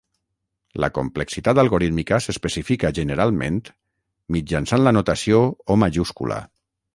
La complexitat algorítmica s'especifica generalment mitjançant la notació O majúscula.